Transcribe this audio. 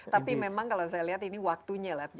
tapi memang kalau saya lihat ini waktunya lah